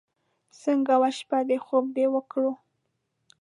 څنګه وه شپه دې؟ خوب دې وکړو.